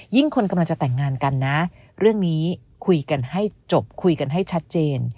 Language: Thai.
คนกำลังจะแต่งงานกันนะเรื่องนี้คุยกันให้จบคุยกันให้ชัดเจน